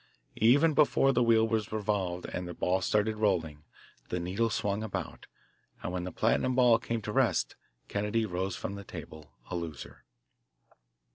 Even before the wheel was revolved and the ball set rolling, the needle swung about, and when the platinum ball came to rest Kennedy rose from the table, a loser.